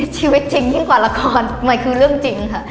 ชีวิตจริงยิ่งกว่าละครมันคือเรื่องจริงค่ะ